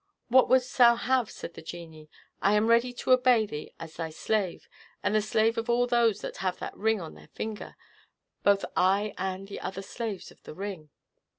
"What wouldst thou have?" said the genie. "I am ready to obey thee as thy slave, and the slave of all those that have that ring on their finger; both I and the other slaves of the ring."